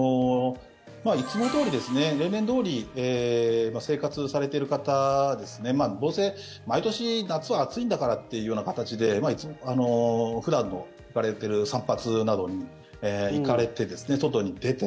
いつもどおり、例年どおり生活されている方どうせ毎年夏は暑いんだからっていうような形で普段行かれている散髪などに行かれて、外に出て